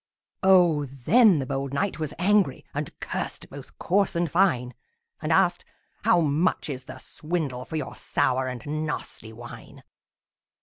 Oh, then the bold knight was angry, And cursed both coarse and fine; And asked, "How much is the swindle For your sour and nasty wine?"